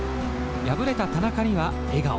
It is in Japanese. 敗れた田中には笑顔。